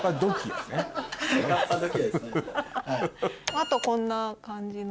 あとこんな感じの。